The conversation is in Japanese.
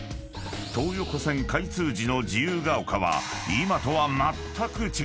［東横線開通時の自由が丘は今とはまったく違う］